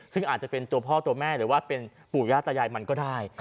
ซึ่งอาจจะเป็นตัวพ่อตัวแม่หรือว่าเป็นปู่ย่าตายายมันก็ได้